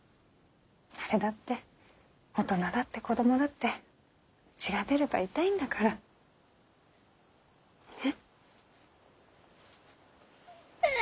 誰だって大人だって子供だって血が出れば痛いんだから。ね。